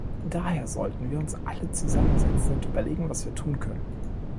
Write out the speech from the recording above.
Daher sollten wir uns alle zusammensetzen und überlegen, was wir tun können.